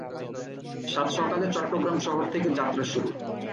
সাত সকালে চট্টগ্রাম শহর থেকে যাত্রা শুরু।